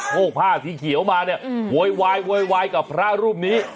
พวกผ้าสีเขียวมาเนี่ยโวยวายโวยวายกับพระรูปนี้